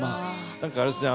なんかあれですね